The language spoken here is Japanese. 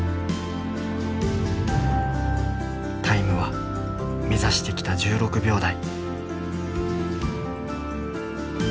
タイムは目指してきた１６秒台。